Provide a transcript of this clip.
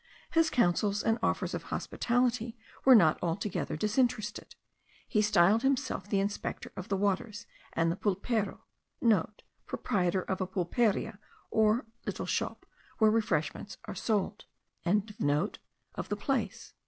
His counsels and offers of hospitality were not altogether disinterested. He styled himself the inspector of the waters, and the pulpero* (* Proprietor of a pulperia, or little shop where refreshments are sold.) of the place.